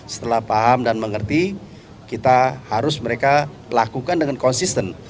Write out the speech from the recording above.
setelah paham dan mengerti kita harus mereka lakukan dengan konsisten